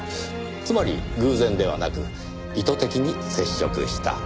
つまり偶然ではなく意図的に接触した。